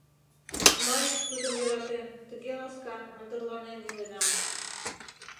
Мый, Тудым йӧратен, тыге ласкан, мындырланен иленам.